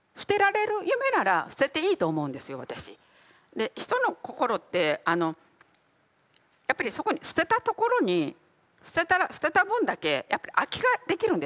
で人の心ってやっぱりそこに捨てたところに捨てたら捨てた分だけやっぱり空きができるんですよ。